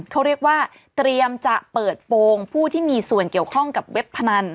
เขาเรียกว่าเตรียมจะเปิดโปรงผู้ที่มีส่วนเกี่ยวข้องกับเว็บพนัน